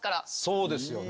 そうですよね。